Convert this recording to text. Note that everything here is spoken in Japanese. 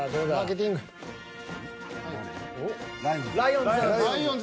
ライオンズ。